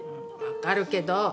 わかるけど。